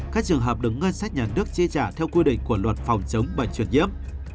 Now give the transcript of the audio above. các trường hợp được ngân sách nhà nước chi trả theo quy định của luật phòng chống bệnh truyền nhiễm